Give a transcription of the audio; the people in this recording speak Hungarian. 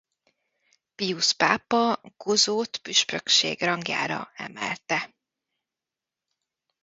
Pius pápa Gozót püspökség rangjára emelte.